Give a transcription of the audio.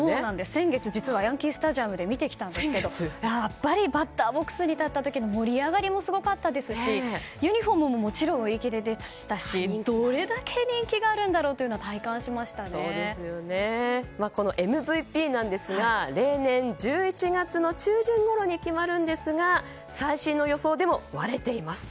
先月実はヤンキースタジアムで見てきたんですけどやっぱりバッターボックスに立った時の盛り上がりもすごいですしユニホームももちろん売り切れでしたしどれだけ人気があるかはＭＶＰなんですが例年、１１月の中旬ごろに決まるんですが最新の予想でも割れています。